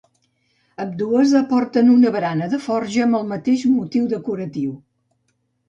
Ambdues aporten una barana de forja amb el mateix motiu decoratiu.